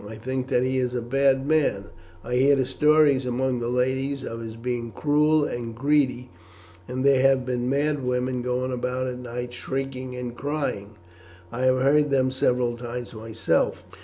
I think that he is a bad man, and I hear stories among the ladies of his being cruel and greedy; and there have been mad women going about at night shrieking and crying; I have heard them several times myself.